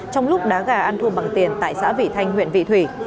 trong lúc đá gà ăn thua bằng tiền tại xã vị thanh huyện vị thủy